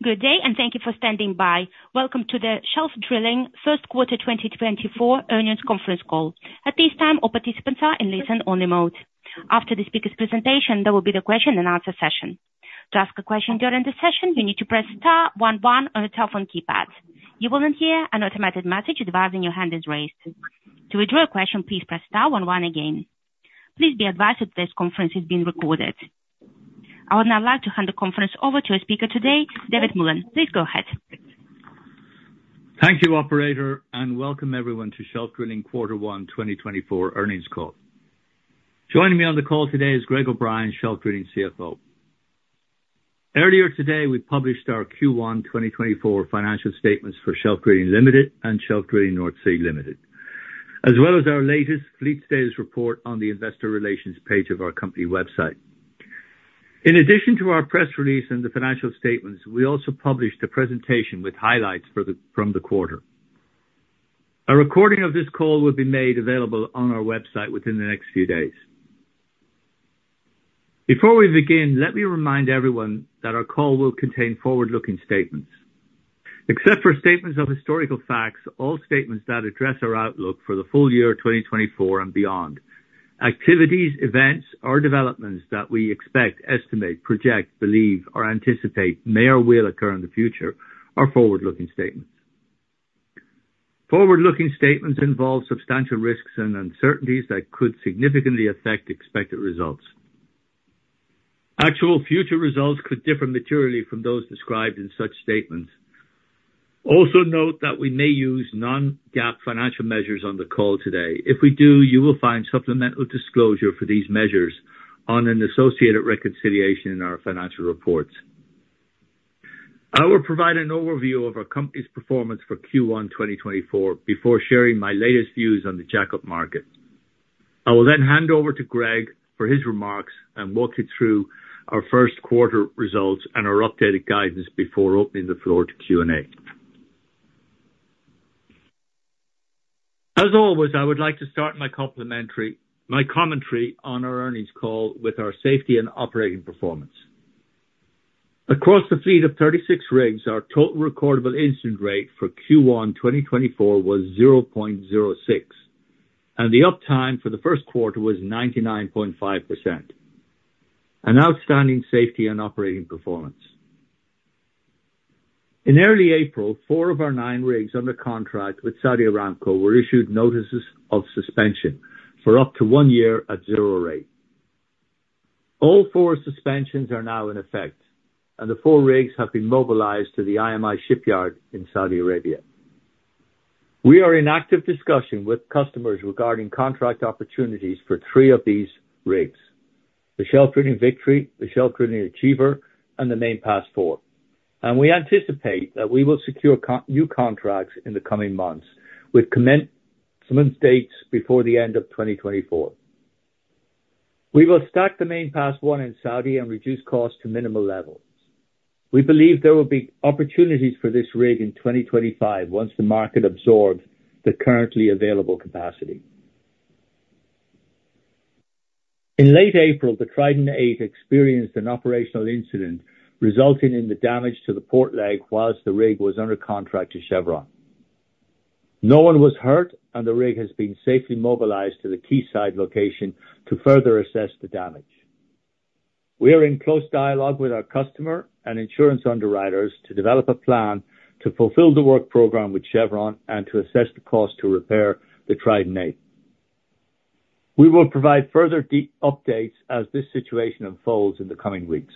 Good day, and thank you for standing by. Welcome to the Shelf Drilling First Quarter 2024 Earnings Conference Call. At this time, all participants are in listen-only mode. After the speaker's presentation, there will be the question and answer session. To ask a question during the session, you need to press star one one on your telephone keypad. You will then hear an automated message advising your hand is raised. To withdraw your question, please press star one one again. Please be advised that this conference is being recorded. I would now like to hand the conference over to our speaker today, David Mullen. Please go ahead. Thank you, operator, and welcome everyone to Shelf Drilling Q1 2024 earnings call. Joining me on the call today is Greg O'Brien, Shelf Drilling CFO. Earlier today, we published our Q1 2024 financial statements for Shelf Drilling Limited and Shelf Drilling North Sea Limited, as well as our latest fleet status report on the investor relations page of our company website. In addition to our press release and the financial statements, we also published a presentation with highlights for the, from the quarter. A recording of this call will be made available on our website within the next few days. Before we begin, let me remind everyone that our call will contain forward-looking statements. Except for statements of historical facts, all statements that address our outlook for the full year 2024 and beyond, activities, events, or developments that we expect, estimate, project, believe or anticipate may or will occur in the future, are forward-looking statements. Forward-looking statements involve substantial risks and uncertainties that could significantly affect expected results. Actual future results could differ materially from those described in such statements. Also note that we may use non-GAAP financial measures on the call today. If we do, you will find supplemental disclosure for these measures on an associated reconciliation in our financial reports. I will provide an overview of our company's performance for Q1 2024 before sharing my latest views on the jack-up market. I will then hand over to Greg for his remarks and walk you through our first quarter results and our updated guidance before opening the floor to Q&A. As always, I would like to start my commentary on our earnings call with our safety and operating performance. Across the fleet of 36 rigs, our total recordable incident rate for Q1 2024 was 0.06, and the uptime for the first quarter was 99.5%. An outstanding safety and operating performance. In early April, 4 of our 9 rigs under contract with Saudi Aramco were issued notices of suspension for up to 1 year at zero rate. All 4 suspensions are now in effect, and the 4 rigs have been mobilized to the IMI shipyard in Saudi Arabia. We are in active discussion with customers regarding contract opportunities for three of these rigs: the Shelf Drilling Victory, the Shelf Drilling Achiever, and the Main Pass IV, and we anticipate that we will secure new contracts in the coming months with commencement dates before the end of 2024. We will stack the Main Pass I in Saudi and reduce costs to minimal levels. We believe there will be opportunities for this rig in 2025 once the market absorbs the currently available capacity. In late April, the Trident VIII experienced an operational incident resulting in the damage to the port leg while the rig was under contract to Chevron. No one was hurt, and the rig has been safely mobilized to the quayside location to further assess the damage. We are in close dialogue with our customer and insurance underwriters to develop a plan to fulfill the work program with Chevron and to assess the cost to repair the Trident VIII. We will provide further updates as this situation unfolds in the coming weeks.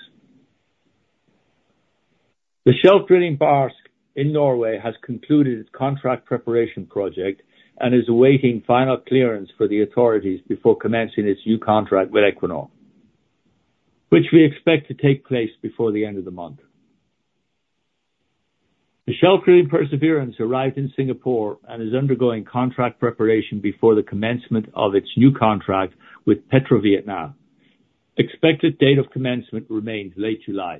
The Shelf Drilling Barsk in Norway has concluded its contract preparation project and is awaiting final clearance for the authorities before commencing its new contract with Equinor, which we expect to take place before the end of the month. The Shelf Drilling Perseverance arrived in Singapore and is undergoing contract preparation before the commencement of its new contract with PetroVietnam. Expected date of commencement remains late July.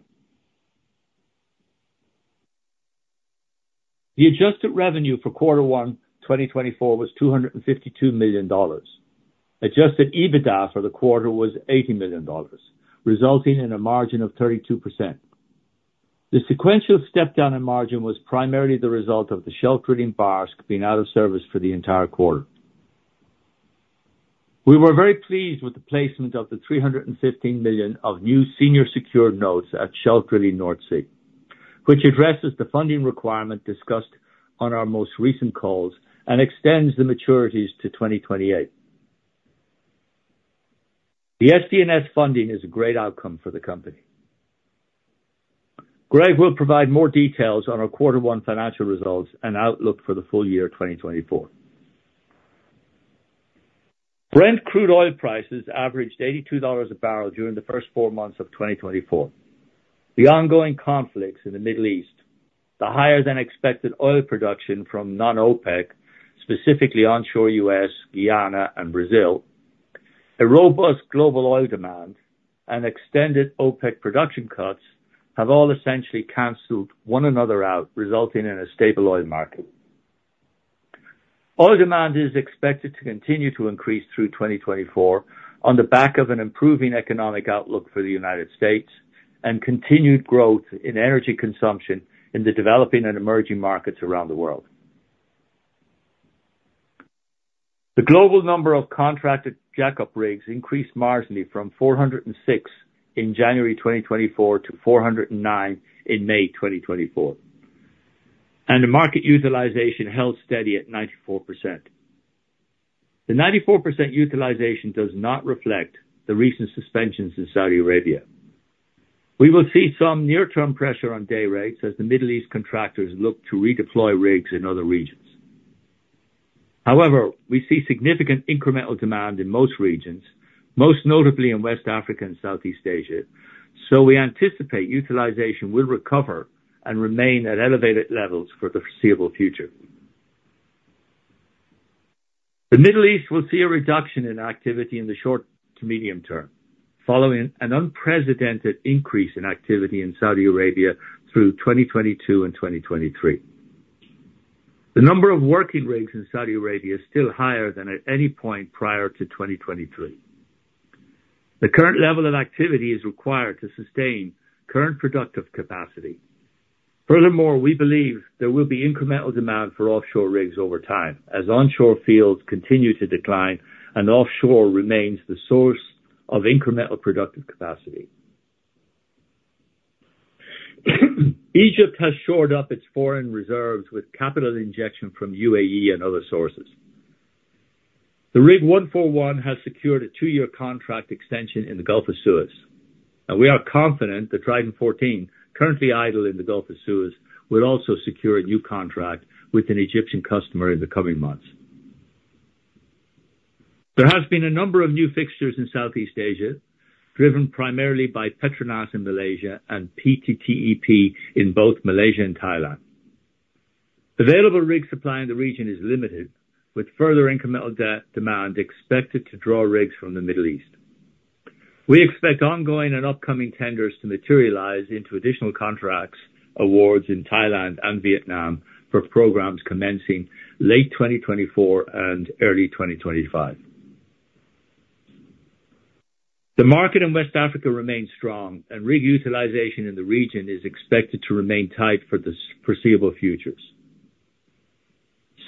The Adjusted Revenue for Q1 2024 was $252 million. Adjusted EBITDA for the quarter was $80 million, resulting in a margin of 32%. The sequential step down in margin was primarily the result of the Shelf Drilling Barsk being out of service for the entire quarter. We were very pleased with the placement of $315 million of new senior secured notes at Shelf Drilling North Sea, which addresses the funding requirement discussed on our most recent calls and extends the maturities to 2028. The SDNS funding is a great outcome for the company. Greg will provide more details on our quarter one financial results and outlook for the full year 2024. Brent Crude oil prices averaged $82 a barrel during the first four months of 2024. The ongoing conflicts in the Middle East, the higher-than-expected oil production from non-OPEC, specifically onshore U.S., Guyana and Brazil, a robust global oil demand and extended OPEC production cuts have all essentially canceled one another out, resulting in a stable oil market. Oil demand is expected to continue to increase through 2024, on the back of an improving economic outlook for the United States, and continued growth in energy consumption in the developing and emerging markets around the world. The global number of contracted jack-up rigs increased marginally from 406 in January 2024 to 409 in May 2024, and the market utilization held steady at 94%. The 94% utilization does not reflect the recent suspensions in Saudi Arabia. We will see some near-term pressure on day rates as the Middle East contractors look to redeploy rigs in other regions. However, we see significant incremental demand in most regions, most notably in West Africa and Southeast Asia, so we anticipate utilization will recover and remain at elevated levels for the foreseeable future. The Middle East will see a reduction in activity in the short to medium term, following an unprecedented increase in activity in Saudi Arabia through 2022 and 2023. The number of working rigs in Saudi Arabia is still higher than at any point prior to 2023. The current level of activity is required to sustain current productive capacity. Furthermore, we believe there will be incremental demand for offshore rigs over time, as onshore fields continue to decline and offshore remains the source of incremental productive capacity. Egypt has shored up its foreign reserves with capital injection from UAE and other sources. The Rig 141 has secured a two-year contract extension in the Gulf of Suez, and we are confident that Trident XIV currently idle in the Gulf of Suez, will also secure a new contract with an Egyptian customer in the coming months. There has been a number of new fixtures in Southeast Asia, driven primarily by PETRONAS in Malaysia and PTTEP in both Malaysia and Thailand. Available rig supply in the region is limited, with further incremental demand expected to draw rigs from the Middle East. We expect ongoing and upcoming tenders to materialize into additional contracts, awards in Thailand and Vietnam for programs commencing late 2024 and early 2025. The market in West Africa remains strong, and rig utilization in the region is expected to remain tight for the foreseeable future.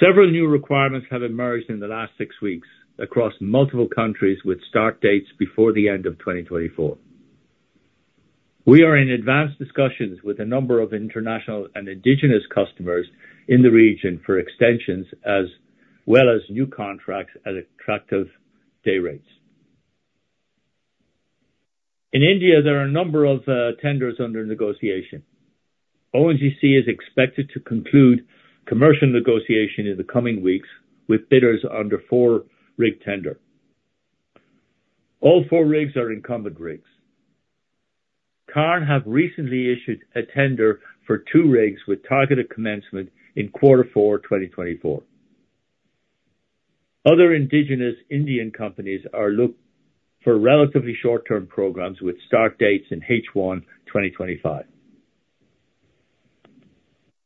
Several new requirements have emerged in the last six weeks across multiple countries with start dates before the end of 2024. We are in advanced discussions with a number of international and indigenous customers in the region for extensions as well as new contracts at attractive day rates. In India, there are a number of tenders under negotiation. ONGC is expected to conclude commercial negotiation in the coming weeks with bidders under 4-rig tender. All 4 rigs are incumbent rigs. Cairn have recently issued a tender for 2 rigs with targeted commencement in Q4 2024. Other indigenous Indian companies are look for relatively short-term programs with start dates in H1 2025.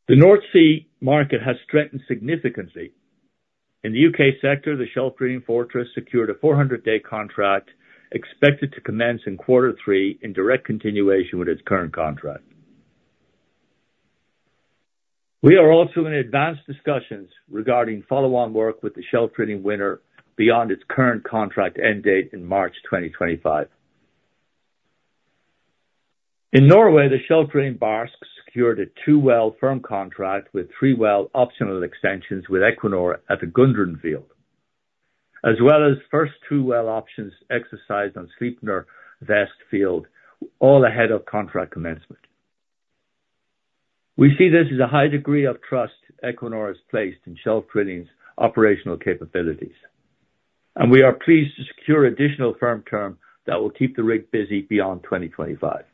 The North Sea market has strengthened significantly. In the UK sector, the Shelf Drilling Fortress secured a 400-day contract, expected to commence in Q3 in direct continuation with its current contract. We are also in advanced discussions regarding follow-on work with the Shelf Drilling Winner beyond its current contract end date in March 2025. In Norway, the Shelf Drilling Barsk secured a two-well firm contract with three-well optional extensions with Equinor at the Gungne field, as well as first two well options exercised on Sleipner Vest field, all ahead of contract commencement. We see this as a high degree of trust Equinor has placed in Shelf Drilling's operational capabilities, and we are pleased to secure additional firm term that will keep the rig busy beyond 2025.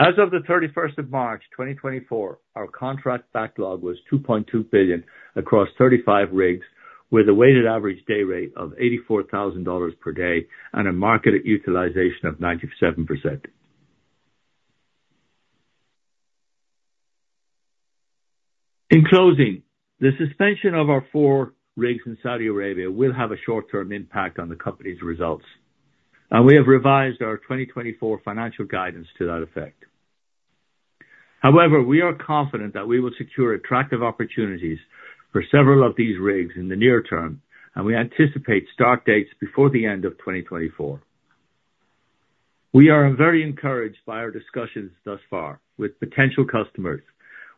As of March 31, 2024, our contract backlog was $2.2 billion across 35 rigs, with a weighted average day rate of $84,000 per day and a market utilization of 97%. In closing, the suspension of our four rigs in Saudi Arabia will have a short-term impact on the company's results, and we have revised our 2024 financial guidance to that effect. However, we are confident that we will secure attractive opportunities for several of these rigs in the near term, and we anticipate start dates before the end of 2024. We are very encouraged by our discussions thus far with potential customers.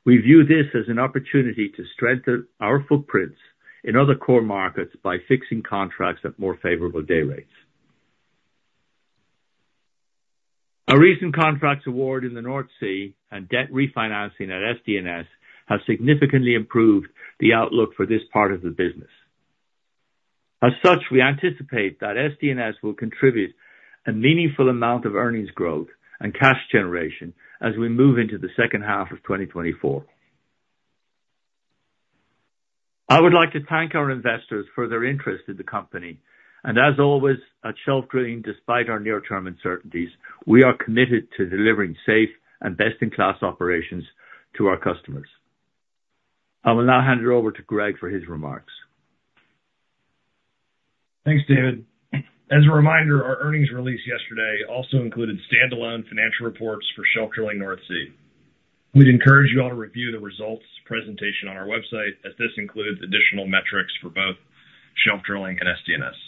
We view this as an opportunity to strengthen our footprints in other core markets by fixing contracts at more favorable day rates. Our recent contracts award in the North Sea and debt refinancing at SDNS have significantly improved the outlook for this part of the business. As such, we anticipate that SDNS will contribute a meaningful amount of earnings growth and cash generation as we move into the second half of 2024. I would like to thank our investors for their interest in the company. As always, at Shelf Drilling, despite our near-term uncertainties, we are committed to delivering safe and best-in-class operations to our customers. I will now hand it over to Greg for his remarks. Thanks, David. As a reminder, our earnings release yesterday also included standalone financial reports for Shelf Drilling North Sea. We'd encourage you all to review the results presentation on our website, as this includes additional metrics for both Shelf Drilling and SDNS.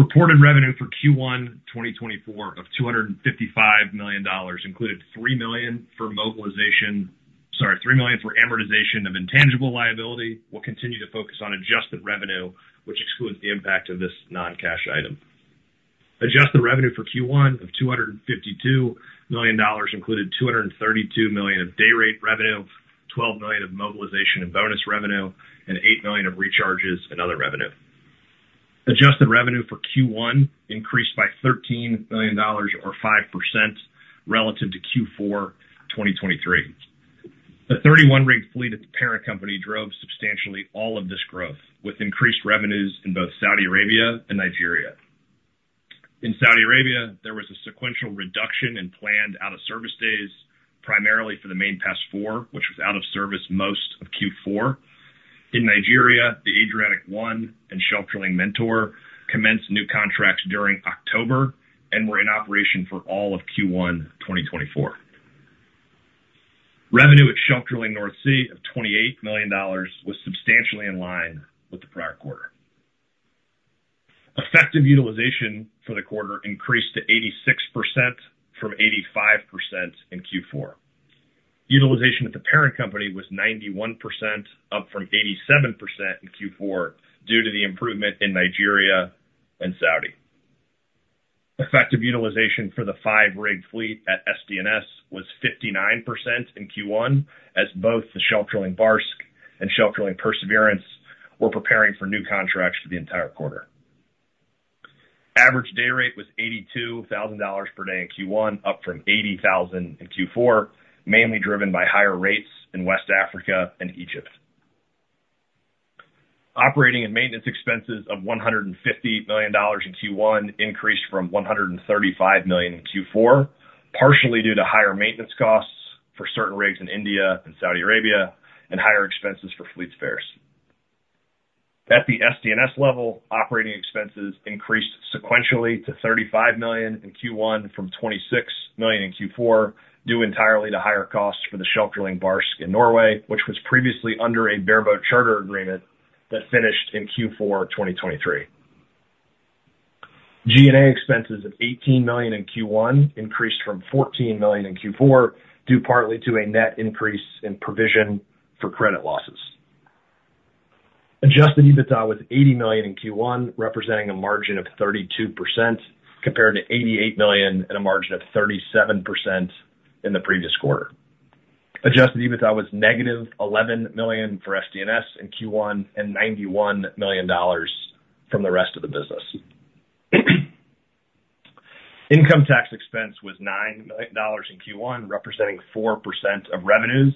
Reported revenue for Q1 2024 of $255 million included $3 million for mobilization—sorry, $3 million for amortization of intangible liability. We'll continue to focus on adjusted revenue, which excludes the impact of this non-cash item. Adjusted revenue for Q1 of $252 million included $232 million of dayrate revenue, $12 million of mobilization and bonus revenue, and $8 million of recharges and other revenue. Adjusted revenue for Q1 increased by $13 million or 5% relative to Q4 2023. The 31-rig fleet at the parent company drove substantially all of this growth, with increased revenues in both Saudi Arabia and Nigeria. In Saudi Arabia, there was a sequential reduction in planned out-of-service days, primarily for the Main Pass IV, which was out of service most of Q4. In Nigeria, the Adriatic I and Shelf Drilling Mentor commenced new contracts during October and were in operation for all of Q1 2024. Revenue at Shelf Drilling North Sea of $28 million was substantially in line with the prior quarter. Effective utilization for the quarter increased to 86% from 85% in Q4. Utilization at the parent company was 91%, up from 87% in Q4, due to the improvement in Nigeria and Saudi. Effective utilization for the five-rig fleet at SDNS was 59% in Q1, as both the Shelf Drilling Barsk and Shelf Drilling Perseverance were preparing for new contracts for the entire quarter. Average day rate was $82,000 per day in Q1, up from $80,000 in Q4, mainly driven by higher rates in West Africa and Egypt. Operating and maintenance expenses of $150 million in Q1 increased from $135 million in Q4, partially due to higher maintenance costs for certain rigs in India and Saudi Arabia, and higher expenses for fleet spares. At the SDNS level, operating expenses increased sequentially to $35 million in Q1 from $26 million in Q4, due entirely to higher costs for the Shelf Drilling Barsk in Norway, which was previously under a bareboat charter agreement that finished in Q4 2023. G&A expenses of $18 million in Q1 increased from $14 million in Q4, due partly to a net increase in provision for credit losses. Adjusted EBITDA was $80 million in Q1, representing a margin of 32%, compared to $88 million and a margin of 37% in the previous quarter. Adjusted EBITDA was -$11 million for SDNS in Q1 and $91 million from the rest of the business. Income tax expense was $9 million in Q1, representing 4% of revenues,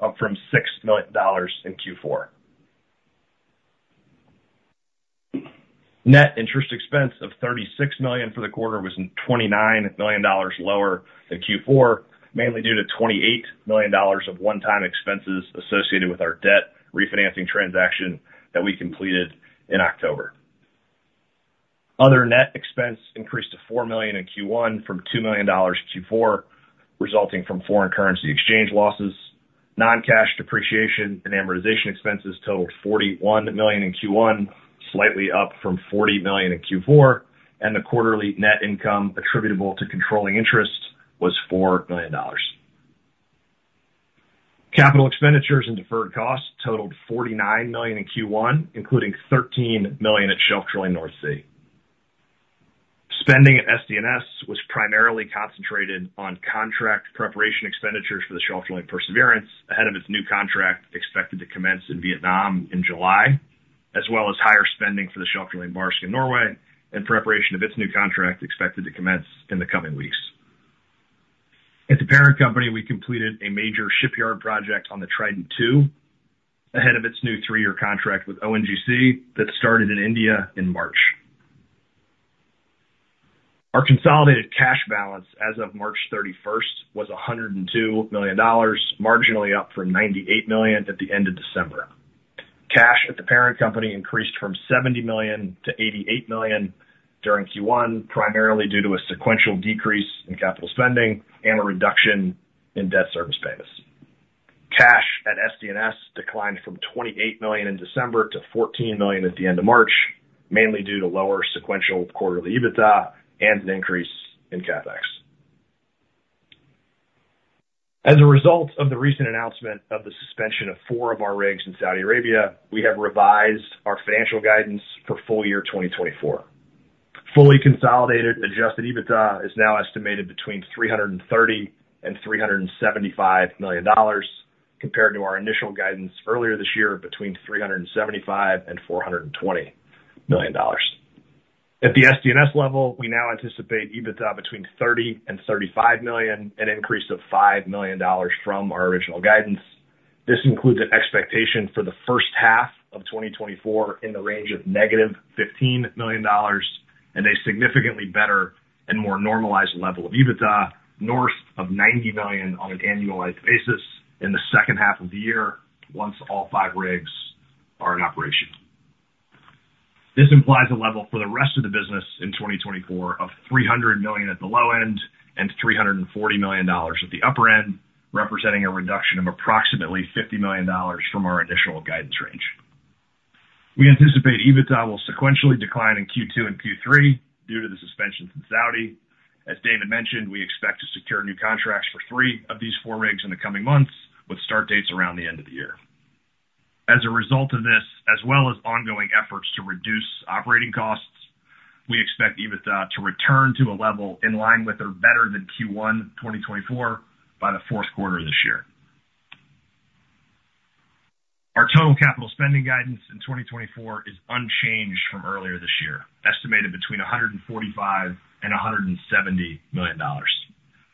up from $6 million in Q4. Net interest expense of $36 million for the quarter was $29 million lower than Q4, mainly due to $28 million of one-time expenses associated with our debt refinancing transaction that we completed in October. Other net expense increased to $4 million in Q1 from $2 million in Q4, resulting from foreign currency exchange losses. Non-cash depreciation and amortization expenses totaled $41 million in Q1, slightly up from $40 million in Q4, and the quarterly net income attributable to controlling interest was $4 million. Capital expenditures and deferred costs totaled $49 million in Q1, including $13 million at Shelf Drilling North Sea. Spending at SDNS was primarily concentrated on contract preparation expenditures for the Shelf Drilling Perseverance, ahead of its new contract expected to commence in Vietnam in July, as well as higher spending for the Shelf Drilling Barsk in Norway, in preparation of its new contract, expected to commence in the coming weeks. At the parent company, we completed a major shipyard project on the Trident II, ahead of its new three-year contract with ONGC that started in India in March. Our consolidated cash balance as of March 31 was $102 million, marginally up from $98 million at the end of December. Cash at the parent company increased from $70 million to $88 million during Q1, primarily due to a sequential decrease in capital spending and a reduction in debt service payments. Cash at SDNS declined from $28 million in December to $14 million at the end of March, mainly due to lower sequential quarterly EBITDA and an increase in CapEx. As a result of the recent announcement of the suspension of 4 of our rigs in Saudi Arabia, we have revised our financial guidance for full year 2024. Fully consolidated Adjusted EBITDA is now estimated between $330 million and $375 million, compared to our initial guidance earlier this year of between $375 million and $420 million.... At the SDNS level, we now anticipate EBITDA between $30 million and $35 million, an increase of $5 million from our original guidance. This includes an expectation for the first half of 2024 in the range of -$15 million, and a significantly better and more normalized level of EBITDA, north of $90 million on an annualized basis in the second half of the year, once all 5 rigs are in operation. This implies a level for the rest of the business in 2024 of $300 million at the low end and $340 million at the upper end, representing a reduction of approximately $50 million from our initial guidance range. We anticipate EBITDA will sequentially decline in Q2 and Q3 due to the suspension from Saudi. As David mentioned, we expect to secure new contracts for 3 of these 4 rigs in the coming months, with start dates around the end of the year. As a result of this, as well as ongoing efforts to reduce operating costs, we expect EBITDA to return to a level in line with or better than Q1 2024, by the fourth quarter of this year. Our total capital spending guidance in 2024 is unchanged from earlier this year, estimated between $145 million and $170 million.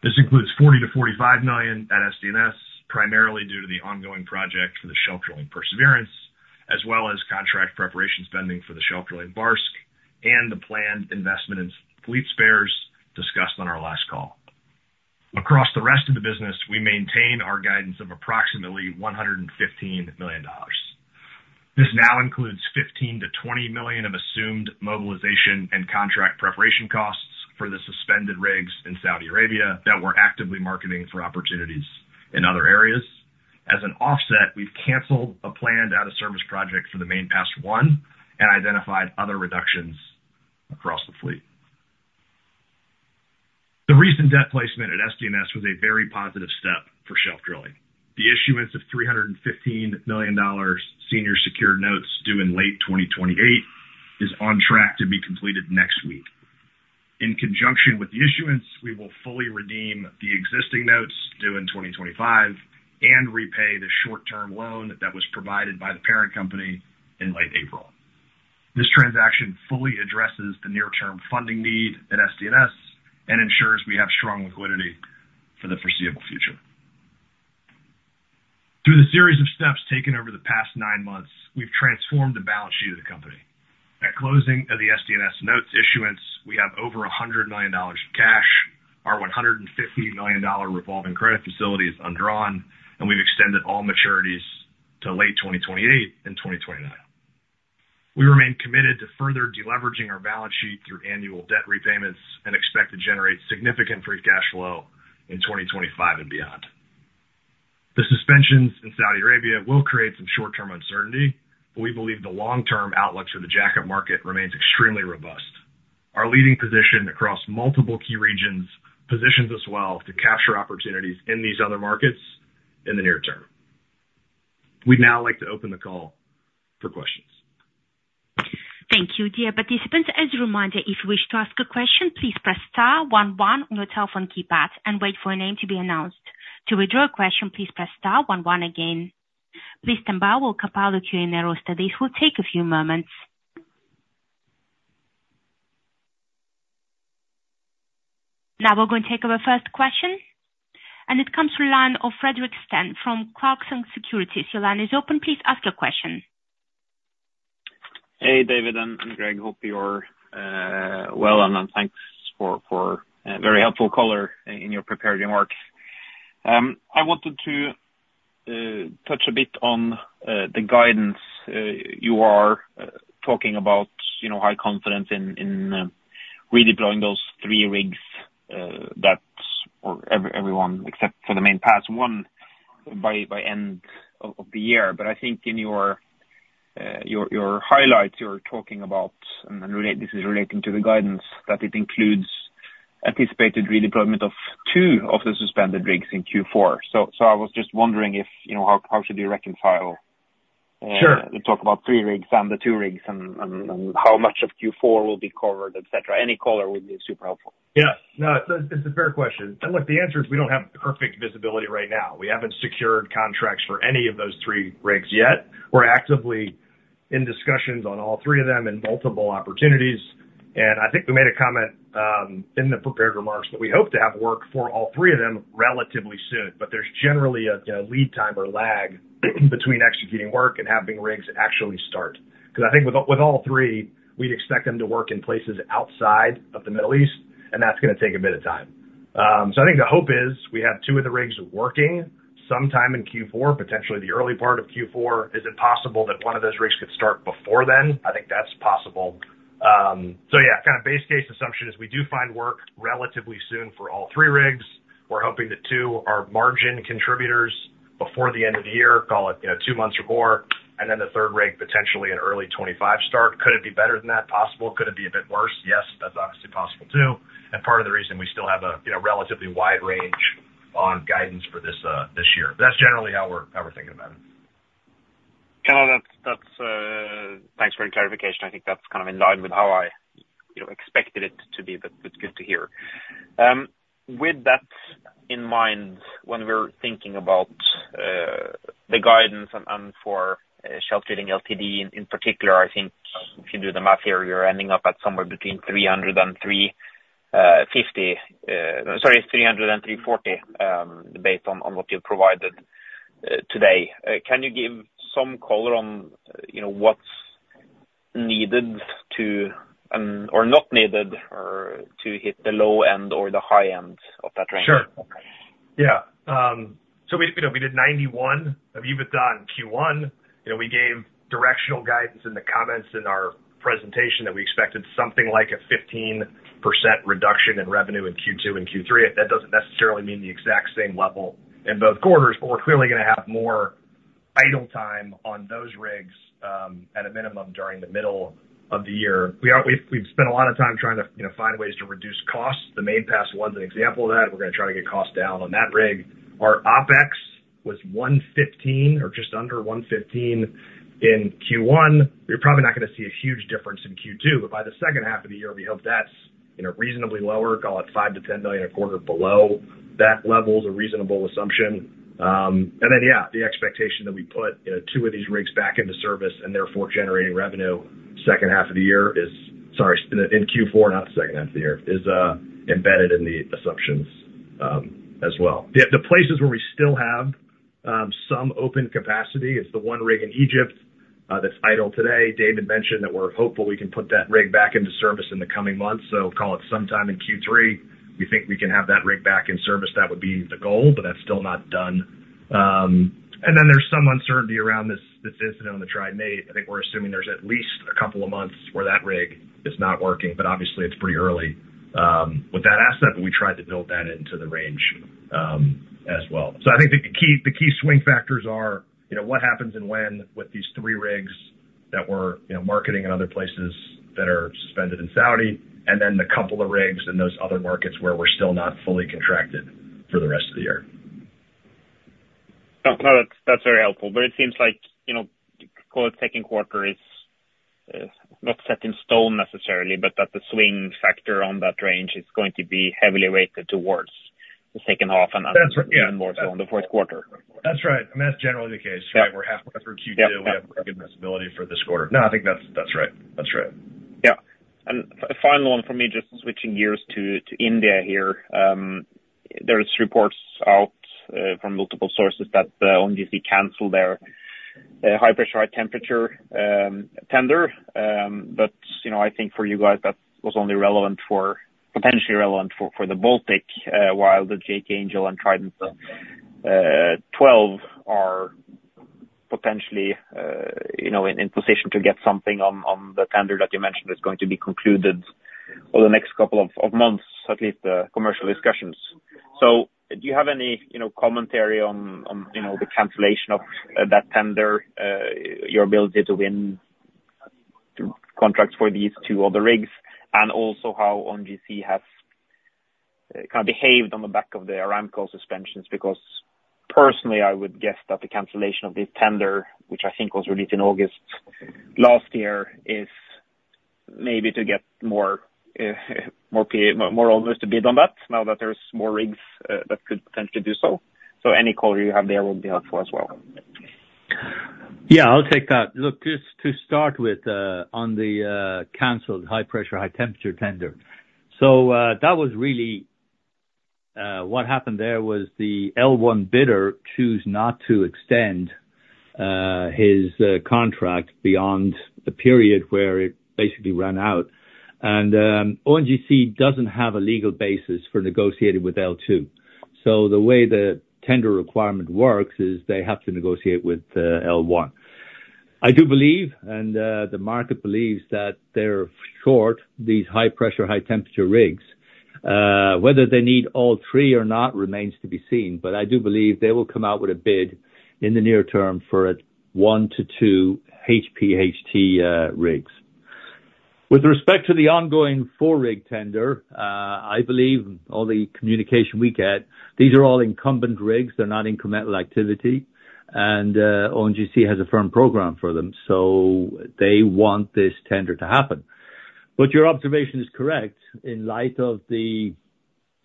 This includes $40 million-$45 million at SDNS, primarily due to the ongoing project for the Shelf Drilling Perseverance, as well as contract preparation spending for the Shelf Drilling Barsk and the planned investment in fleet spares discussed on our last call. Across the rest of the business, we maintain our guidance of approximately $115 million. This now includes $15 million-$20 million of assumed mobilization and contract preparation costs for the suspended rigs in Saudi Arabia that we're actively marketing for opportunities in other areas. As an offset, we've canceled a planned out-of-service project for the Main Pass I and identified other reductions across the fleet. The recent debt placement at SDNS was a very positive step for Shelf Drilling. The issuance of $315 million senior secured notes due in late 2028 is on track to be completed next week. In conjunction with the issuance, we will fully redeem the existing notes due in 2025 and repay the short-term loan that was provided by the parent company in late April. This transaction fully addresses the near-term funding need at SDNS and ensures we have strong liquidity for the foreseeable future. Through the series of steps taken over the past nine months, we've transformed the balance sheet of the company. At closing of the SDNS notes issuance, we have over $100 million in cash, our $150 million revolving credit facility is undrawn, and we've extended all maturities to late 2028 and 2029. We remain committed to further deleveraging our balance sheet through annual debt repayments and expect to generate significant free cash flow in 2025 and beyond. The suspensions in Saudi Arabia will create some short-term uncertainty, but we believe the long-term outlook for the jackup market remains extremely robust. Our leading position across multiple key regions positions us well to capture opportunities in these other markets in the near term. We'd now like to open the call for questions. Thank you, dear participants. As a reminder, if you wish to ask a question, please press star one one on your telephone keypad and wait for a name to be announced. To withdraw a question, please press star one one again. Please stand by while we compile the Q&A roster. This will take a few moments. Now we're going to take our first question, and it comes from the line of Fredrik Stene from Clarksons Securities. Your line is open. Please ask your question. Hey, David and Greg. Hope you're well, and thanks for a very helpful color in your prepared remarks. I wanted to touch a bit on the guidance. You are talking about, you know, high confidence in redeploying those three rigs that everyone except for the Main Pass I by end of the year. But I think in your highlights, you're talking about, and then this is relating to the guidance, that it includes anticipated redeployment of two of the suspended rigs in Q4. So I was just wondering if, you know, how should we reconcile? Sure. You talk about 3 rigs and the 2 rigs and how much of Q4 will be covered, et cetera. Any color would be super helpful. Yes. No, it's a fair question. And look, the answer is we don't have perfect visibility right now. We haven't secured contracts for any of those three rigs yet. We're actively in discussions on all three of them in multiple opportunities, and I think we made a comment in the prepared remarks that we hope to have work for all three of them relatively soon. But there's generally a lead time or lag between executing work and having rigs actually start. Because I think with all three, we'd expect them to work in places outside of the Middle East, and that's gonna take a bit of time. So I think the hope is we have two of the rigs working sometime in Q4, potentially the early part of Q4. Is it possible that one of those rigs could start before then? I think that's possible. So yeah, kind of base case assumption is we do find work relatively soon for all three rigs. We're hoping that two are margin contributors before the end of the year, call it, you know, two months or more, and then the third rig, potentially an early 2025 start. Could it be better than that? Possible. Could it be a bit worse? Yes, that's obviously possible too, and part of the reason we still have a, you know, relatively wide range on guidance for this, this year. But that's generally how we're, how we're thinking about it. Kind of that's. That's. Thanks for the clarification. I think that's kind of in line with how I, you know, expected it to be, but it's good to hear. With that in mind, when we're thinking about the guidance and for Shelf Drilling Ltd., in particular, I think if you do the math here, you're ending up at somewhere between 300 and 350, sorry, 300 and 340, based on what you've provided today. Can you give some color on, you know, what's needed to or not needed, or to hit the low end or the high end of that range? Sure. Yeah. So we, you know, we did $91 million of EBITDA in Q1. You know, we gave directional guidance in the comments in our presentation that we expected something like a 15% reduction in revenue in Q2 and Q3. That doesn't necessarily mean the exact same level in both quarters, but we're clearly gonna have more idle time on those rigs, at a minimum, during the middle of the year. We've spent a lot of time trying to, you know, find ways to reduce costs. The Main Pass I's an example of that. We're gonna try to get costs down on that rig. Our OpEx was $115 million, or just under $115 million in Q1. You're probably not gonna see a huge difference in Q2, but by the second half of the year, we hope that's, you know, reasonably lower, call it $5-$10 million a quarter below that level is a reasonable assumption. And then, yeah, the expectation that we put, you know, two of these rigs back into service, and therefore generating revenue, second half of the year is. Sorry, in Q4, not the second half of the year, is embedded in the assumptions, as well. The places where we still have some open capacity is the one rig in Egypt, that's idle today. David mentioned that we're hopeful we can put that rig back into service in the coming months, so call it sometime in Q3, we think we can have that rig back in service. That would be the goal, but that's still not done. And then there's some uncertainty around this incident on the Trident VIII. I think we're assuming there's at least a couple of months where that rig is not working, but obviously it's pretty early with that asset, but we tried to build that into the range, as well. So I think the key swing factors are, you know, what happens and when with these three rigs that we're, you know, marketing in other places that are suspended in Saudi, and then the couple of rigs in those other markets where we're still not fully contracted for the rest of the year. No, no, that's, that's very helpful. But it seems like, you know, call it second quarter is not set in stone necessarily, but that the swing factor on that range is going to be heavily weighted towards the second half and- That's right, yeah. Even more so on the first quarter. That's right, and that's generally the case, right? We're halfway through Q2. We have a good visibility for this quarter. No, I think that's, that's right. That's right. Yeah. And a final one for me, just switching gears to India here. There is reports out from multiple sources that ONGC canceled their high pressure, high temperature tender. But, you know, I think for you guys, that was only Potentially relevant for the Baltic, while the J.T. Angel and Trident XII are potentially, you know, in position to get something on the tender that you mentioned, is going to be concluded over the next couple of months, at least, commercial discussions. So, do you have any, you know, commentary on the cancellation of that tender, your ability to win contracts for these two other rigs, and also how ONGC has, kind of, behaved on the back of the Aramco suspensions? Because personally, I would guess that the cancellation of this tender, which I think was released in August last year, is maybe to get more, more of us to bid on that, now that there's more rigs, that could potentially do so. So any call you have there will be helpful as well. Yeah, I'll take that. Look, just to start with, on the canceled high pressure, high temperature tender. So, that was really what happened there was the L1 bidder choose not to extend his contract beyond the period where it basically ran out. And, ONGC doesn't have a legal basis for negotiating with L2. So the way the tender requirement works is they have to negotiate with L1. I do believe, and the market believes, that they're short, these high pressure, high temperature rigs. Whether they need all 3 or not, remains to be seen, but I do believe they will come out with a bid in the near term for 1-2 HPHT rigs. With respect to the ongoing four-rig tender, I believe all the communication we get, these are all incumbent rigs, they're not incremental activity, and, ONGC has a firm program for them, so they want this tender to happen. But your observation is correct. In light of the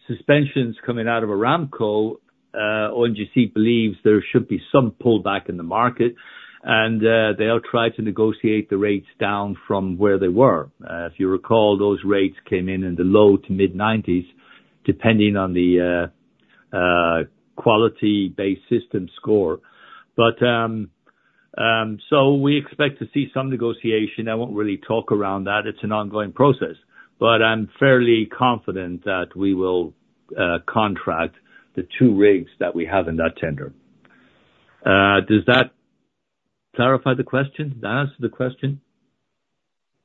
suspensions coming out of Aramco, ONGC believes there should be some pullback in the market, and, they'll try to negotiate the rates down from where they were. If you recall, those rates came in, in the low to mid-nineties, depending on the, quality-based system score. But, so we expect to see some negotiation. I won't really talk around that, it's an ongoing process, but I'm fairly confident that we will, contract the two rigs that we have in that tender. Does that clarify the question? Did I answer the question?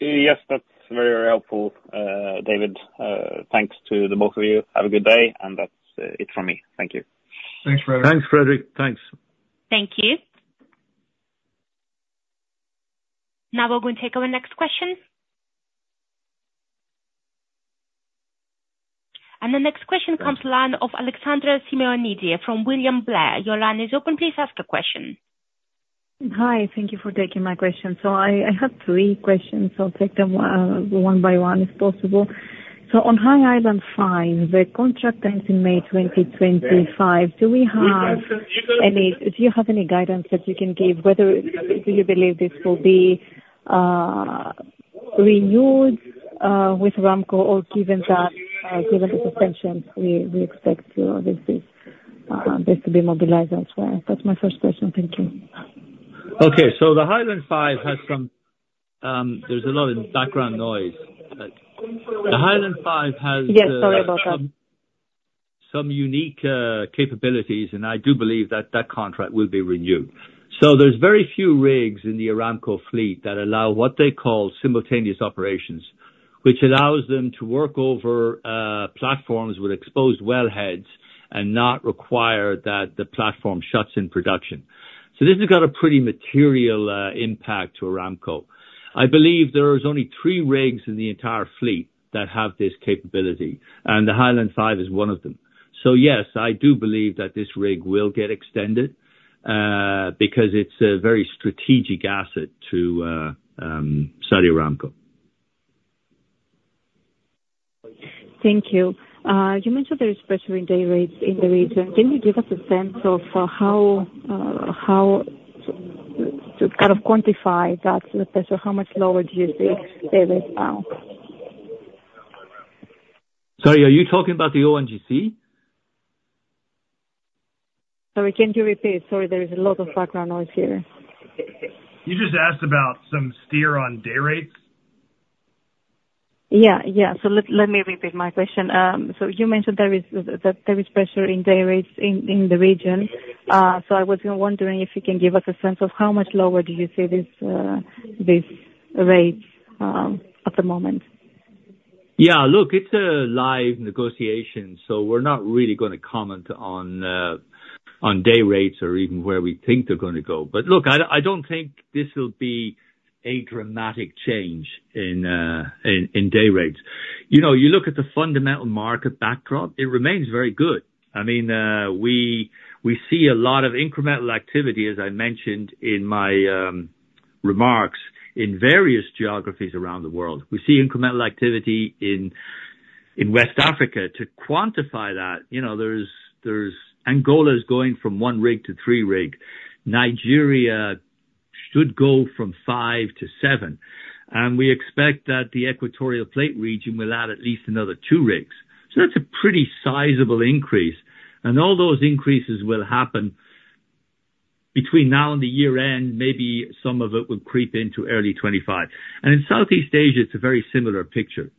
Yes, that's very helpful, David. Thanks to the both of you. Have a good day, and that's it from me. Thank you. Thanks, Frederick. Thanks, Frederik. Thanks. Thank you. Now we're going to take our next question. And the next question comes from the line of Alexandra Symeonidi from William Blair. Your line is open, please ask a question. Hi, thank you for taking my question. So I have three questions, so I'll take them one by one, if possible. So on High Island V, the contract ends in May 2025. Do we have any guidance that you can give, whether do you believe this will be renewed with Aramco, or given that given the suspension, we expect, you know, this to be mobilized as well? That's my first question. Thank you. Okay, so the High Island V has some. There's a lot of background noise. Yes, sorry about that. Some unique capabilities, and I do believe that that contract will be renewed. So there's very few rigs in the Aramco fleet that allow what they call simultaneous operations, which allows them to work over platforms with exposed well heads and not require that the platform shuts in production. So this has got a pretty material impact to Aramco. I believe there is only three rigs in the entire fleet that have this capability, and the High Island V is one of them. So yes, I do believe that this rig will get extended because it's a very strategic asset to Saudi Aramco. Thank you. You mentioned there is pressure in day rates in the region. Can you give us a sense of how to kind of quantify that pressure? How much lower do you see day rates now? Sorry, are you talking about the ONGC? Sorry, can you repeat? Sorry, there is a lot of background noise here. You just asked about some steer on day rates. Yeah, yeah. So let me repeat my question. So you mentioned that there is pressure in day rates in the region. So I was wondering if you can give us a sense of how much lower do you see this rate at the moment? Yeah, look, it's a live negotiation, so we're not really gonna comment on day rates or even where we think they're gonna go. But look, I don't think this will be a dramatic change in day rates. You know, you look at the fundamental market backdrop, it remains very good. I mean, we see a lot of incremental activity, as I mentioned in my remarks, in various geographies around the world. We see incremental activity in West Africa. To quantify that, you know, there's Angola is going from 1 rig to 3 rigs. Nigeria should go from 5 to 7, and we expect that the Equatorial Guinea region will add at least another 2 rigs. So that's a pretty sizable increase, and all those increases will happen between now and the year end. Maybe some of it will creep into early 2025. And in Southeast Asia, it's a very similar picture.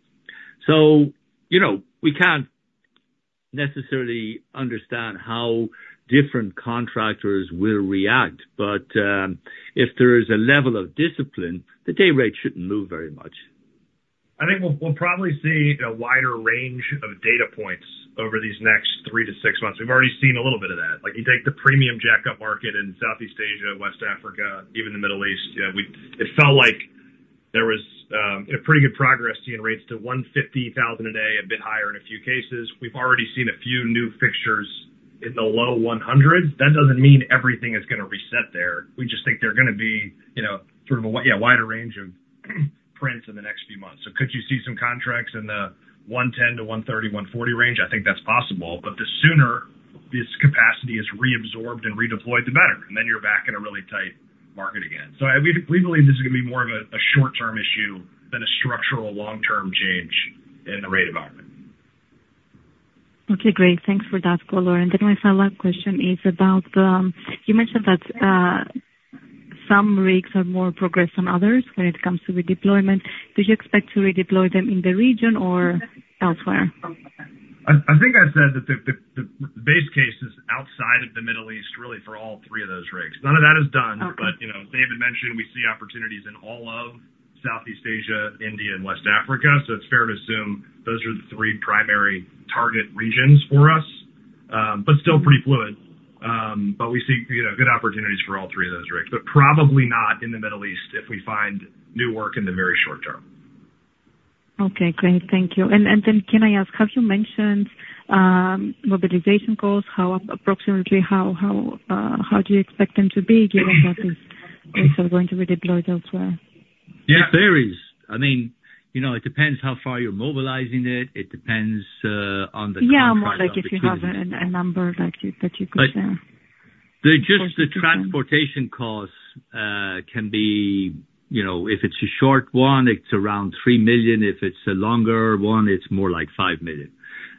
So, you know, we can't necessarily understand how different contractors will react, but if there is a level of discipline, the day rate shouldn't move very much. I think we'll probably see a wider range of data points over these next three to six months. We've already seen a little bit of that. Like, you take the premium jackup market in Southeast Asia, West Africa, even the Middle East. It felt like there was a pretty good progress seeing rates to $150,000 a day, a bit higher in a few cases. We've already seen a few new fixtures in the low $100,000. That doesn't mean everything is gonna reset there. We just think they're gonna be, you know, sort of a wider range of prints in the next few months. So could you see some contracts in the $110,000 to $130,000, $140,000 range? I think that's possible, but the sooner this capacity is reabsorbed and redeployed, the better, and then you're back in a really tight market again. So we, we believe this is gonna be more of a, a short-term issue than a structural long-term change in the rate environment. Okay, great. Thanks for that color. And then my final question is about, you mentioned that, some rigs are more progressed than others when it comes to redeployment. Do you expect to redeploy them in the region or elsewhere? I think I said that the base case is outside of the Middle East, really for all three of those rigs. None of that is done. Okay. But, you know, David mentioned we see opportunities in all of Southeast Asia, India and West Africa. So it's fair to assume those are the three primary target regions for us, but still pretty fluid. But we see, you know, good opportunities for all three of those rigs, but probably not in the Middle East if we find new work in the very short term. Okay, great. Thank you. And then can I ask, have you mentioned mobilization costs? How approximately do you expect them to be given that these rigs are going to be deployed elsewhere? Yeah, it varies. I mean, you know, it depends how far you're mobilizing it. It depends on the- Yeah, more like if you have a number that you could share. The transportation costs can be, you know, if it's a short one, it's around $3 million. If it's a longer one, it's more like $5 million.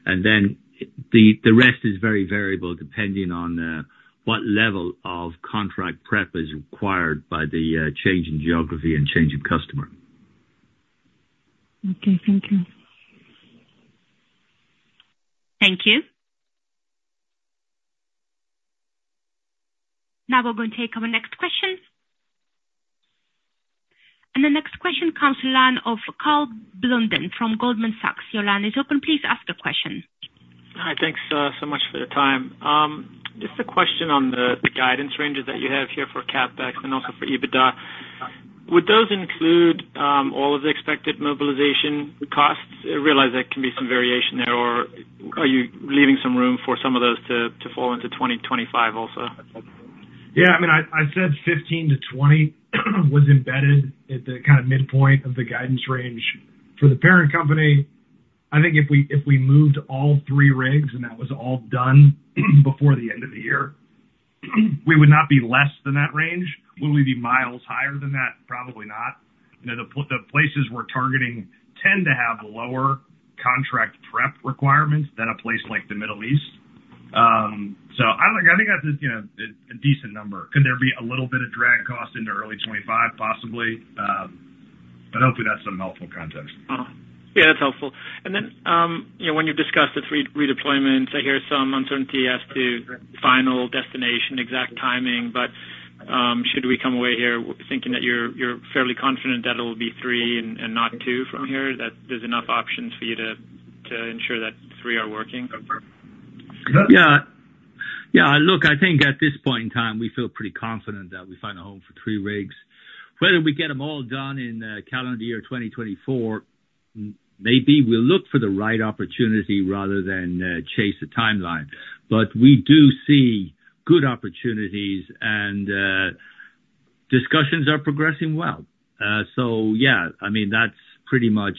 And then the rest is very variable, depending on what level of contract prep is required by the change in geography and change in customer. Okay, thank you. Thank you. Now we're going to take our next question. The next question comes from the line of Karl Blunden from Goldman Sachs. Your line is open. Please ask the question. Hi. Thanks, so much for your time. Just a question on the guidance ranges that you have here for CapEx and also for EBITDA. Would those include all of the expected mobilization costs? I realize there can be some variation there, or are you leaving some room for some of those to fall into 2025 also? Yeah, I mean, I said 15-20 was embedded at the kind of midpoint of the guidance range. For the parent company, I think if we moved all three rigs, and that was all done before the end of the year, we would not be less than that range. Will we be miles higher than that? Probably not. You know, the places we're targeting tend to have lower contract prep requirements than a place like the Middle East. So I don't think. I think that's just, you know, a decent number. Could there be a little bit of drag cost into early 2025? Possibly. But hopefully that's some helpful context. Yeah, that's helpful. And then, you know, when you discuss the three redeployments, I hear some uncertainty as to final destination, exact timing, but, should we come away here thinking that you're fairly confident that it will be three and not two from here, that there's enough options for you to ensure that three are working? Yeah. Yeah, look, I think at this point in time, we feel pretty confident that we find a home for three rigs. Whether we get them all done in calendar year 2024, maybe we'll look for the right opportunity rather than chase the timeline. But we do see good opportunities and discussions are progressing well. So yeah, I mean, that's pretty much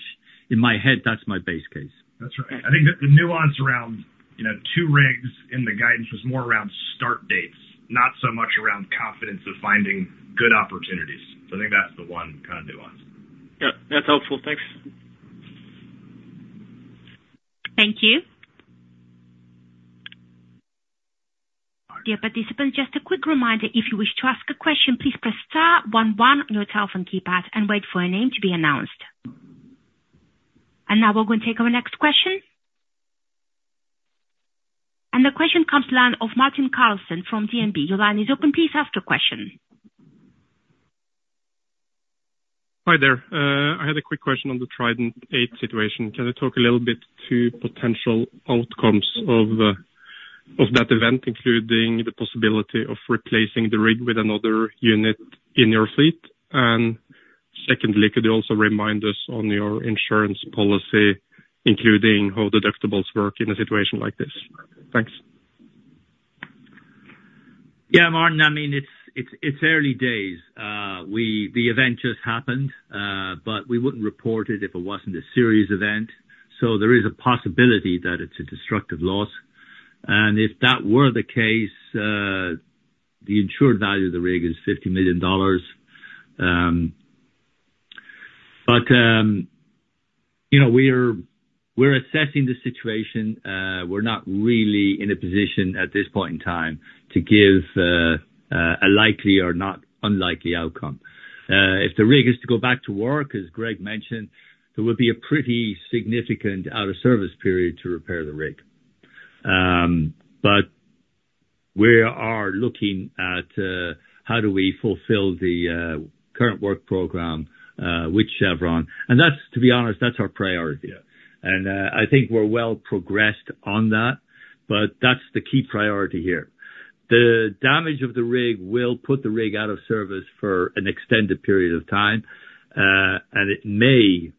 in my head, that's my base case. That's right. I think the nuance around, you know, two rigs in the guidance was more around start dates, not so much around confidence of finding good opportunities. So I think that's the one kind of nuance. Yeah, that's helpful. Thanks. Thank you. Dear participants, just a quick reminder, if you wish to ask a question, please press star one one on your telephone keypad and wait for your name to be announced. Now we're going to take our next question. The question comes to the line of Martin Karlsen from DNB. Your line is open. Please ask your question. Hi there. I had a quick question on the Trident VIII situation. Can you talk a little bit to potential outcomes of, of that event, including the possibility of replacing the rig with another unit in your fleet? And secondly, could you also remind us on your insurance policy, including how the deductibles work in a situation like this? Thanks. Yeah, Martin. I mean, it's early days. The event just happened, but we wouldn't report it if it wasn't a serious event. So there is a possibility that it's a destructive loss. And if that were the case, the insured value of the rig is $50 million. But, you know, we're assessing the situation. We're not really in a position at this point in time to give a likely or not unlikely outcome. If the rig is to go back to work, as Greg mentioned, there will be a pretty significant out of service period to repair the rig. But we are looking at how do we fulfill the current work program with Chevron. And that's, to be honest, that's our priority. I think we're well progressed on that, but that's the key priority here. The damage of the rig will put the rig out of service for an extended period of time, and it may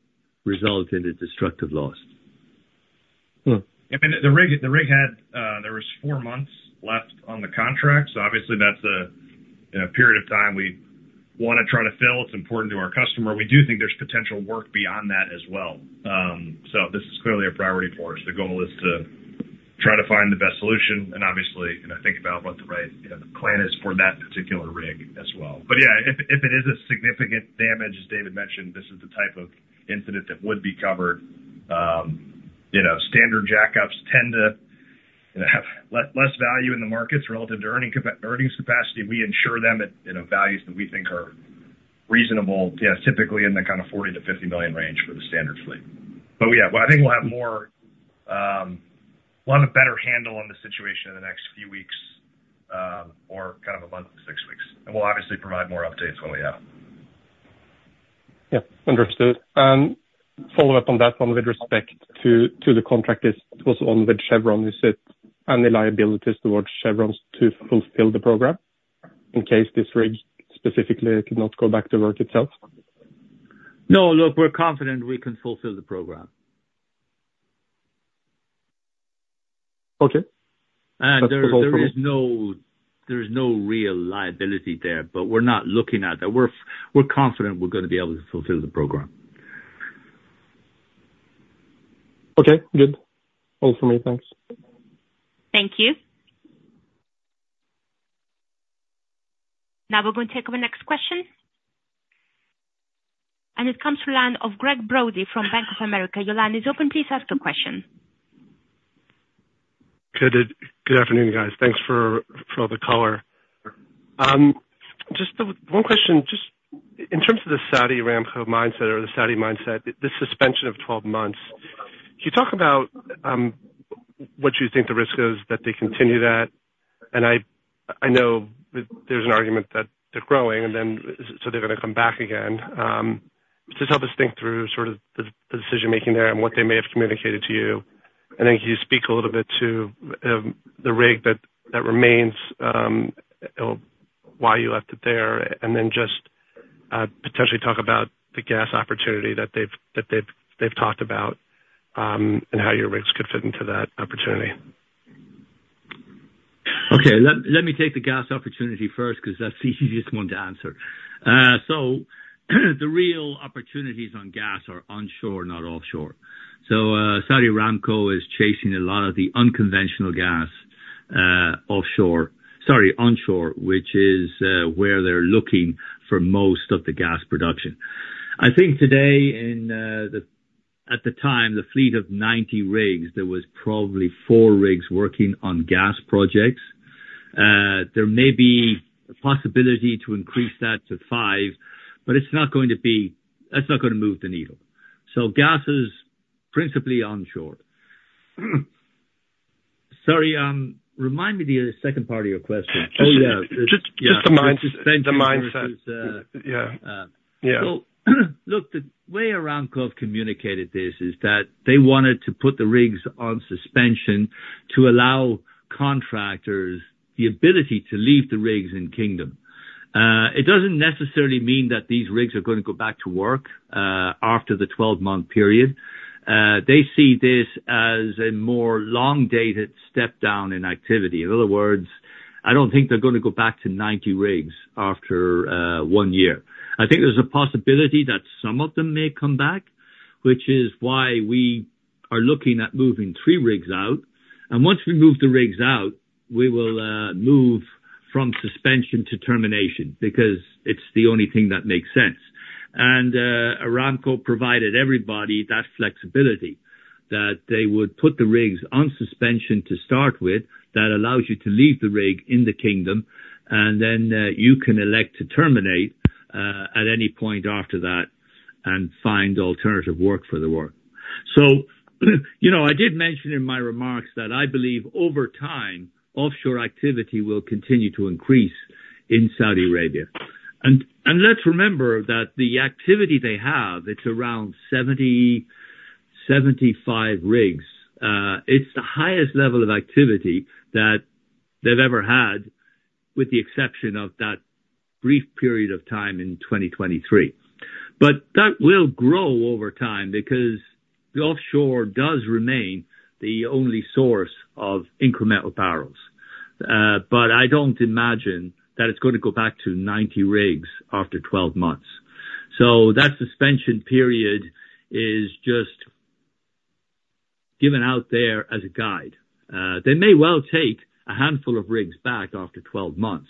result in a destructive loss. I mean, the rig, the rig had, there was four months left on the contract. So obviously, that's a period of time we wanna try to fill. It's important to our customer. We do think there's potential work beyond that as well. So this is clearly a priority for us. The goal is to try to find the best solution and obviously, you know, think about what the right, you know, plan is for that particular rig as well. But yeah, if, if it is a significant damage, as David mentioned, this is the type of incident that would be covered. You know, standard jackups tend to, you know, have less value in the markets relative to earning earnings capacity. We insure them at, you know, values that we think are reasonable. Yeah, typically in the kind of $40 million-$50 million range for the standard fleet. But yeah, well, I think we'll have more, we'll have a better handle on the situation in the next few weeks, or kind of a month to 6 weeks, and we'll obviously provide more updates when we have. Yeah. Understood. Follow up on that one with respect to, to the contract is also on with Chevron, is it, and the liabilities towards Chevron to fulfill the program, in case this rig specifically cannot go back to work itself? No, look, we're confident we can fulfill the program. Okay. There is no, there is no real liability there, but we're not looking at that. We're confident we're gonna be able to fulfill the program. Okay, good. All for me. Thanks. Thank you. Now we're going to take our next question. It comes to the line of Gregg Brody from Bank of America. Your line is open. Please ask your question. Good afternoon, guys. Thanks for all the color. Just one question, just in terms of the Saudi Aramco mindset or the Saudi mindset, the suspension of 12 months, can you talk about what you think the risk is that they continue that? And I know that there's an argument that they're growing, and then, so they're gonna come back again. Just help us think through sort of the decision making there and what they may have communicated to you... And then can you speak a little bit to the rig that remains or why you left it there, and then just potentially talk about the gas opportunity that they've talked about and how your rigs could fit into that opportunity? Okay. Let me take the gas opportunity first, 'cause that's the easiest one to answer. So, the real opportunities on gas are onshore, not offshore. So, Saudi Aramco is chasing a lot of the unconventional gas, offshore, sorry, onshore, which is where they're looking for most of the gas production. I think today, in the, at the time, the fleet of 90 rigs, there was probably four rigs working on gas projects. There may be a possibility to increase that to five, but it's not going to be... That's not gonna move the needle. So gas is principally onshore. Sorry, remind me the second part of your question. Oh, yeah. Just the mind- Suspension versus, The mindset. Yeah. Yeah. Well, look, the way Aramco communicated this is that they wanted to put the rigs on suspension to allow contractors the ability to leave the rigs in Kingdom. It doesn't necessarily mean that these rigs are gonna go back to work after the 12-month period. They see this as a more long-dated step down in activity. In other words, I don't think they're gonna go back to 90 rigs after 1 year. I think there's a possibility that some of them may come back, which is why we are looking at moving 3 rigs out, and once we move the rigs out, we will move from suspension to termination, because it's the only thing that makes sense. Aramco provided everybody that flexibility, that they would put the rigs on suspension to start with, that allows you to leave the rig in the Kingdom, and then, you can elect to terminate, at any point after that and find alternative work for the work. So, you know, I did mention in my remarks that I believe over time, offshore activity will continue to increase in Saudi Arabia. And, and let's remember that the activity they have, it's around 70-75 rigs. It's the highest level of activity that they've ever had, with the exception of that brief period of time in 2023. But that will grow over time because the offshore does remain the only source of incremental barrels. But I don't imagine that it's gonna go back to 90 rigs after 12 months. So that suspension period is just given out there as a guide. They may well take a handful of rigs back after 12 months,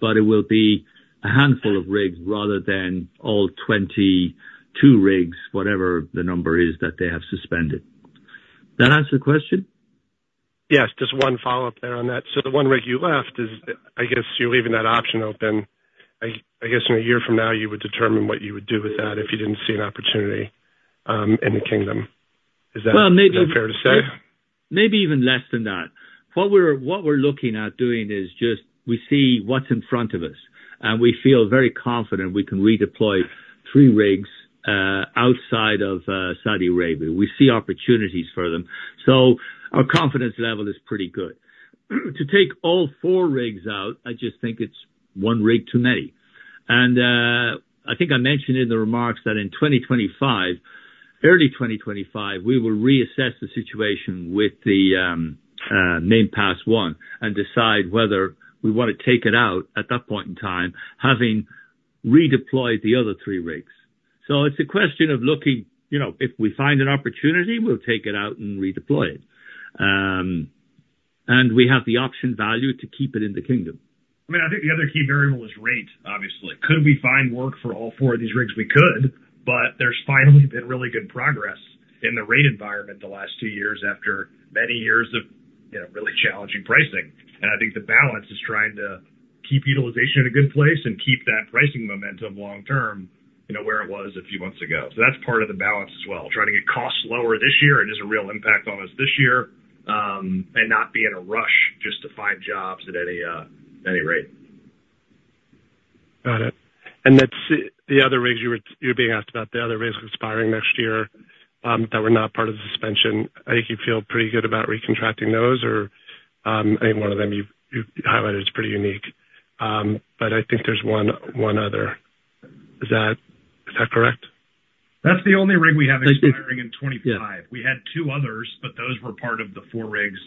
but it will be a handful of rigs rather than all 22 rigs, whatever the number is, that they have suspended. That answer the question? Yes. Just one follow-up there on that. So the one rig you left is, I guess you're leaving that option open. I guess, in a year from now, you would determine what you would do with that if you didn't see an opportunity in the Kingdom. Is that- Well, maybe- Is that fair to say? Maybe even less than that. What we're looking at doing is just we see what's in front of us, and we feel very confident we can redeploy three rigs outside of Saudi Arabia. We see opportunities for them, so our confidence level is pretty good. To take all four rigs out, I just think it's one rig too many. And I think I mentioned in the remarks that in 2025, early 2025, we will reassess the situation with the Main Pass I, and decide whether we wanna take it out at that point in time, having redeployed the other three rigs. So it's a question of looking. You know, if we find an opportunity, we'll take it out and redeploy it. And we have the option value to keep it in the Kingdom. I mean, I think the other key variable is rate, obviously. Could we find work for all four of these rigs? We could, but there's finally been really good progress in the rate environment the last two years, after many years of, you know, really challenging pricing. And I think the balance is trying to keep utilization in a good place and keep that pricing momentum long term, you know, where it was a few months ago. So that's part of the balance as well. Trying to get costs lower this year and is a real impact on us this year, and not be in a rush just to find jobs at any, any rate. Got it. And that's the other rigs you were being asked about, the other rigs expiring next year, that were not part of the suspension. I think you feel pretty good about recontracting those or, any one of them you've highlighted is pretty unique. But I think there's one other. Is that correct? That's the only rig we have expiring in 25. Yeah. We had two others, but those were part of the four rigs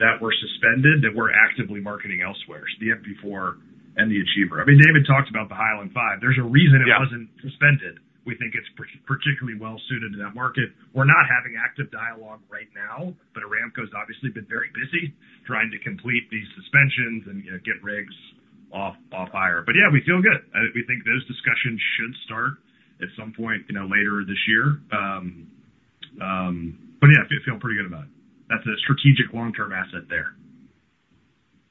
that were suspended, that we're actively marketing elsewhere, the MP4 and the Achiever. I mean, David talked about the High Island V. Yeah. There's a reason it wasn't suspended. We think it's particularly well suited to that market. We're not having active dialogue right now, but Aramco's obviously been very busy trying to complete these suspensions and, you know, get rigs off hire. But yeah, we feel good. We think those discussions should start at some point, you know, later this year. But yeah, feel pretty good about it. That's a strategic long-term asset there.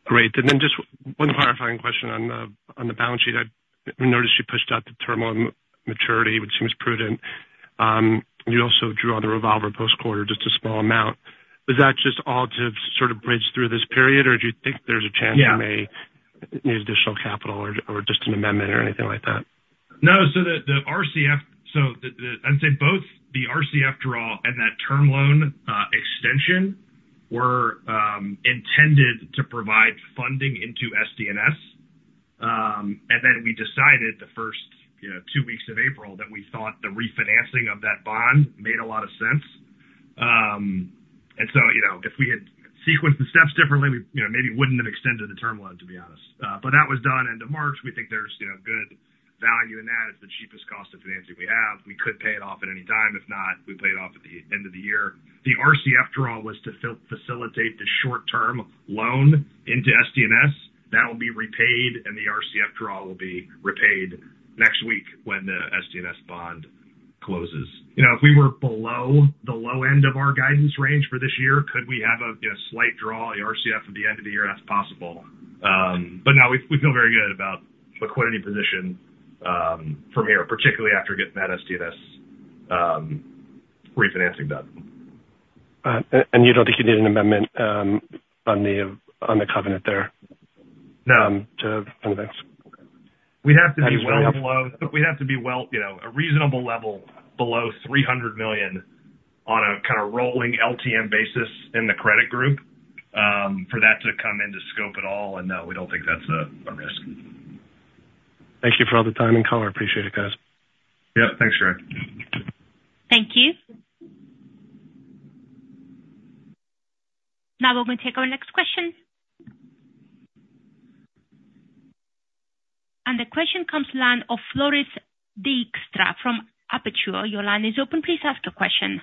Great. And then just one clarifying question on the balance sheet. I noticed you pushed out the term on maturity, which seems prudent. You also drew on the revolver post quarter, just a small amount. Is that just all to sort of bridge through this period, or do you think there's a chance- Yeah you may need additional capital or just an amendment or anything like that? No, so the RCF draw and that term loan extension were intended to provide funding into SDNS. And then we decided the first, you know, two weeks of April, that we thought the refinancing of that bond made a lot of sense. And so, you know, if we had sequenced the steps differently, we, you know, maybe wouldn't have extended the term loan, to be honest. But that was done end of March. We think there's, you know, good value in that. It's the cheapest cost of financing we have. We could pay it off at any time. If not, we pay it off at the end of the year. The RCF draw was to facilitate the short-term loan into SDNS. That will be repaid, and the RCF draw will be repaid next week when the SDNS bond closes. You know, if we were below the low end of our guidance range for this year, could we have a, you know, slight draw, a RCF at the end of the year? That's possible. But no, we feel very good about liquidity position, from here, particularly after getting that SDNS refinancing done. You don't think you need an amendment on the covenant there? No. To. We'd have to be well below- I just want to— We'd have to be well, you know, a reasonable level below $300 million on a kind of rolling LTM basis in the credit group for that to come into scope at all. No, we don't think that's a risk. Thank you for all the time and color. Appreciate it, guys. Yeah, thanks, Greg. Thank you. Now we're gonna take our next question. The question comes from the line of Floris Dijkstra from Aperture. Your line is open. Please ask your question.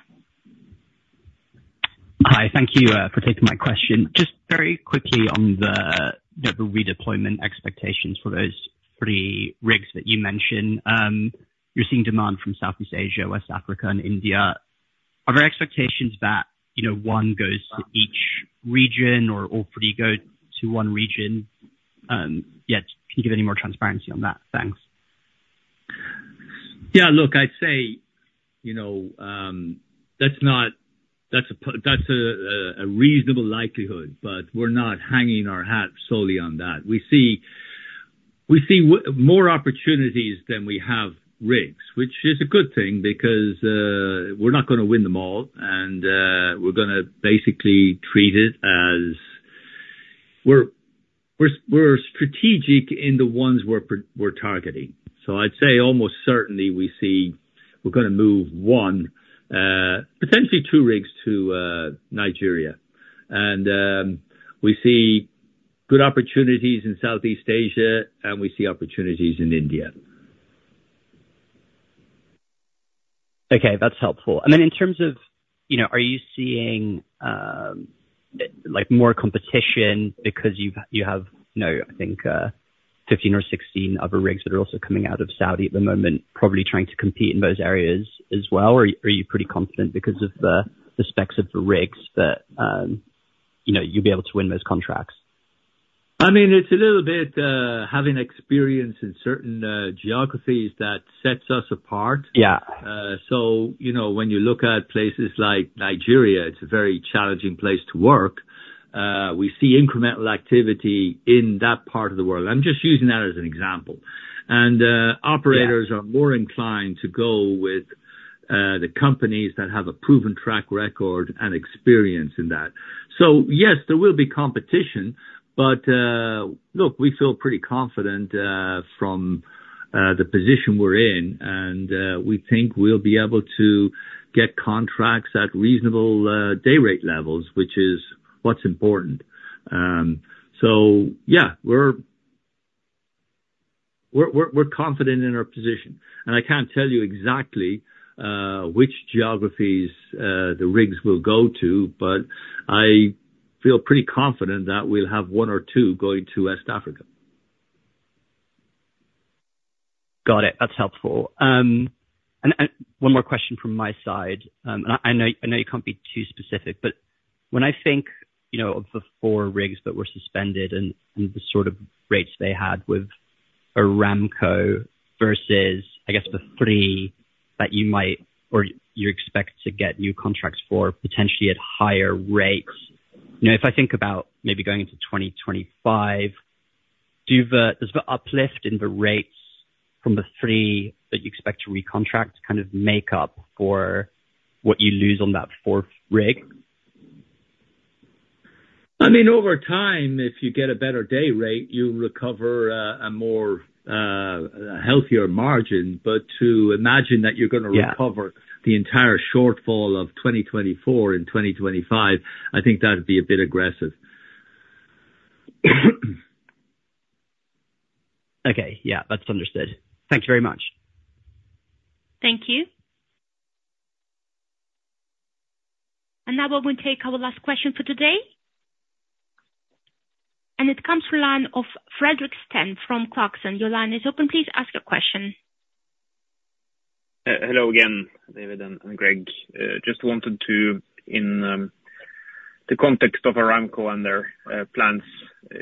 Hi. Thank you for taking my question. Just very quickly on the redeployment expectations for those three rigs that you mentioned. You're seeing demand from Southeast Asia, West Africa and India. Are there expectations that, you know, one goes to each region or all three go to one region? Yeah, can you give any more transparency on that? Thanks. Yeah, look, I'd say, you know, that's not. That's a reasonable likelihood, but we're not hanging our hat solely on that. We see more opportunities than we have rigs, which is a good thing, because we're not gonna win them all, and we're gonna basically treat it as we're strategic in the ones we're targeting. So I'd say almost certainly we see we're gonna move one, potentially two rigs to Nigeria. And we see good opportunities in Southeast Asia, and we see opportunities in India. Okay. That's helpful. And then in terms of, you know, are you seeing, like, more competition because you've, you have, you know, I think, 15 or 16 other rigs that are also coming out of Saudi at the moment, probably trying to compete in those areas as well? Or are you pretty confident because of the specs of the rigs that, you know, you'll be able to win those contracts? I mean, it's a little bit, having experience in certain, geographies that sets us apart. Yeah. So, you know, when you look at places like Nigeria, it's a very challenging place to work. We see incremental activity in that part of the world. I'm just using that as an example. Yeah. Operators are more inclined to go with the companies that have a proven track record and experience in that. So yes, there will be competition, but look, we feel pretty confident from the position we're in, and we think we'll be able to get contracts at reasonable day rate levels, which is what's important. So yeah, we're confident in our position. And I can't tell you exactly which geographies the rigs will go to, but I feel pretty confident that we'll have one or two going to West Africa. Got it. That's helpful. And one more question from my side. And I know you can't be too specific, but when I think, you know, of the four rigs that were suspended and the sort of rates they had with Aramco versus, I guess, the three that you might or you expect to get new contracts for, potentially at higher rates, you know, if I think about maybe going into 2025, Does the uplift in the rates from the three that you expect to recontract kind of make up for what you lose on that fourth rig? I mean, over time, if you get a better day rate, you'll recover a more healthier margin. But to imagine that you're gonna- Yeah... recover the entire shortfall of 2024 in 2025, I think that would be a bit aggressive. Okay. Yeah, that's understood. Thank you very much. Thank you. And now we will take our last question for today, and it comes from line of Fredrik Stene from Clarksons. Your line is open. Please ask your question. Hello again, David and Greg. Just wanted to, in the context of Aramco and their plans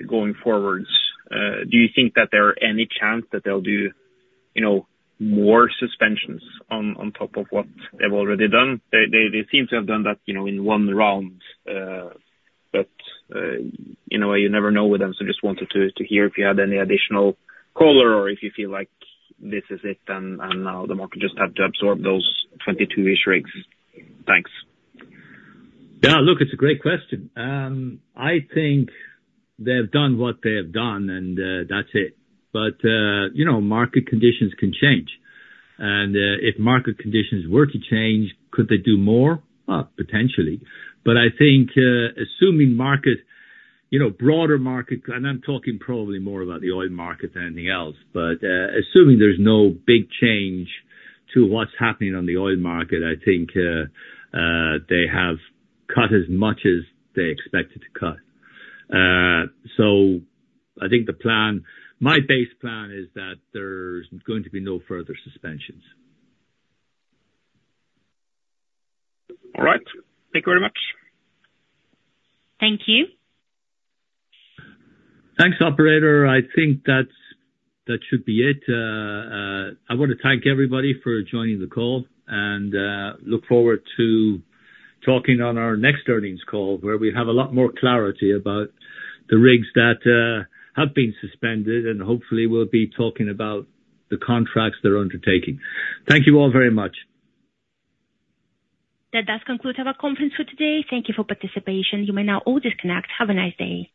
going forwards, do you think that there are any chance that they'll do, you know, more suspensions on top of what they've already done? They seem to have done that, you know, in one round. But in a way, you never know with them, so just wanted to hear if you had any additional color or if you feel like this is it, and now the market just have to absorb those 22 rigs. Thanks. Yeah, look, it's a great question. I think they've done what they have done, and that's it. But you know, market conditions can change. And if market conditions were to change, could they do more? Potentially. But I think, assuming market, you know, broader market, and I'm talking probably more about the oil market than anything else, but assuming there's no big change to what's happening on the oil market, I think they have cut as much as they expected to cut. So I think the plan, my base plan is that there's going to be no further suspensions. All right. Thank you very much. Thank you. Thanks, operator. I think that's, that should be it. I wanna thank everybody for joining the call, and look forward to talking on our next earnings call, where we have a lot more clarity about the rigs that have been suspended, and hopefully we'll be talking about the contracts they're undertaking. Thank you all very much. That does conclude our conference for today. Thank you for participation. You may now all disconnect. Have a nice day.